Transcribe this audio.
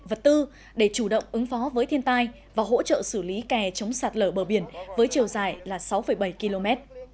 vật tư để chủ động ứng phó với thiên tai và hỗ trợ xử lý kè chống sạt lở bờ biển với chiều dài là sáu bảy km